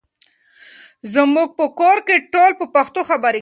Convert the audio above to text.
زموږ په کور کې ټول په پښتو خبرې کوي.